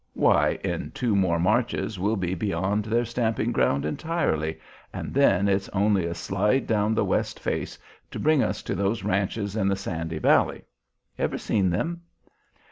Why, in two more marches we'll be beyond their stamping ground entirely, and then it's only a slide down the west face to bring us to those ranches in the Sandy Valley. Ever seen them?"